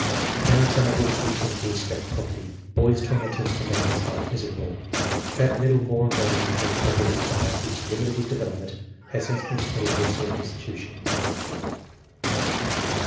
Parents unable to teach him to respect property. Boys torment him and make his life miserable. At middle moron level and has probably about reached the limit of his development. Has since been committed to a state institution.